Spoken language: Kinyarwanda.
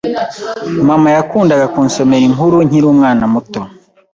Mama yakundaga kunsomera inkuru nkiri umwana muto.